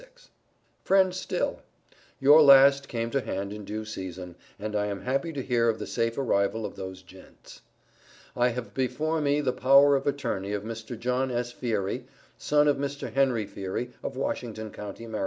Friend Still: Your last came to hand in due season, and I am happy to hear of the safe arrival of those gents. I have before me the Power of Attorney of Mr. John S. Fiery, son of Mr. Henry Fiery, of Washington county, Md.